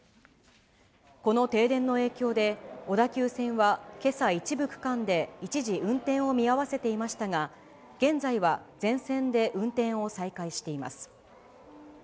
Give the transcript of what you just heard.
この停電の影響で、小田急線はけさ一部区間で一時運転を見合わせていましたが、現在は全線で運転を再開しています。